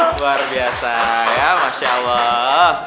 luar biasa ya masya allah